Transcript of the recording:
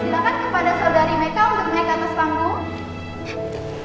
silahkan kepada saudari meka untuk naik ke atas panggung